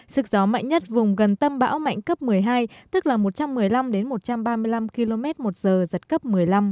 sức gió mạnh nhất vùng gần tâm bão mạnh cấp một mươi hai tức là một trăm một mươi năm một trăm ba mươi năm km một giờ giật cấp một mươi năm